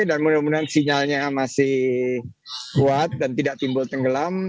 dan mudah mudahan sinyalnya masih kuat dan tidak timbul tenggelam